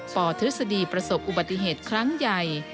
ธฤษฎีประสบอุบัติเหตุครั้งใหญ่